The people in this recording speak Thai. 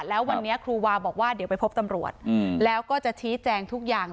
แล้ววันนี้ครูวาบอกว่าเดี๋ยวไปพบตำรวจแล้วก็จะชี้แจงทุกอย่าง